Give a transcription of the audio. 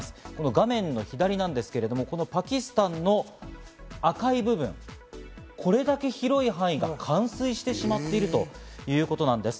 画面左側ですけれどもパキスタンの赤い部分、これだけ広い範囲が冠水してしまっているということなんです。